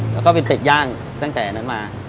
แล้วก็เป็นเป็ดย่างตั้งแต่นั้นมา